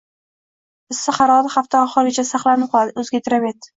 Issiq harorat hafta oxirigacha saqlanib qoladi - «O‘zgidromet»